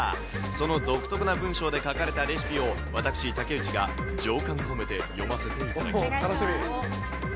その独特な文章で書かれたレシピを、私、武内が情感込めて読ませていただきます。